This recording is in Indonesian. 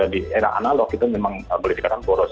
di era analog itu memang berdekatan boros